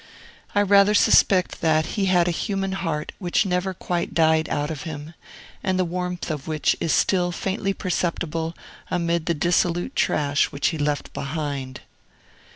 I rather suspect that he had a human heart which never quite died out of him, and the warmth of which is still faintly perceptible amid the dissolute trash which he left behind.